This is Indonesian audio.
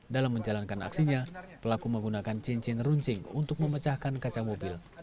dalam menjalankan aksinya pelaku menggunakan cincin runcing untuk memecahkan kaca mobil